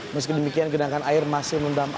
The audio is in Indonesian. meski demikian gedangan air masih mendam